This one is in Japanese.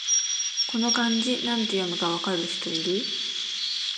この漢字、なんて読むか分かる人いる？